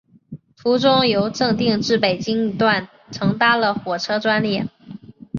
途中由正定至北京一段乘搭了火车专列。